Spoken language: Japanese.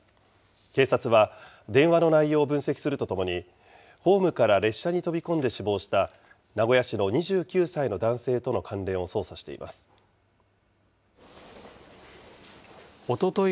警察は電話の内容を分析するとともに、ホームから列車に飛び込んで死亡した名古屋市の２９歳の男性とのおととい